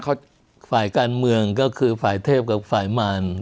เขาฝ่ายการเมืองก็คือฝ่ายเทพกับฝ่ายมาร